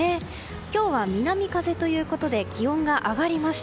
今日は南風ということで気温が上がりました。